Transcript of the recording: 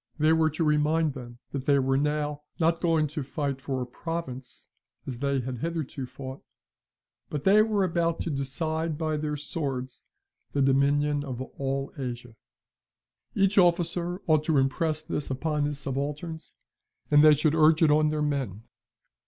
They were to remind them that they were now not going to fight for a province, as they had hitherto fought, but they were about to decide by their swords the dominion of all Asia. Each officer ought to impress this upon his subalterns and they should urge it on their men.